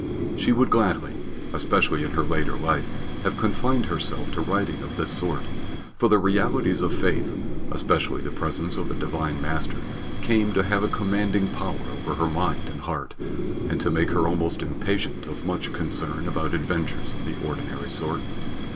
She would gladly, especially in her later life, have confined herself to writing of this sort, for the realities of faith, especially the presence of the Divine Master, came to have a commanding power over her mind and heart, and to make her almost impatient of much concern about adventures of the ordinary sort.